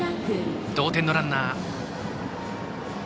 同点のランナー。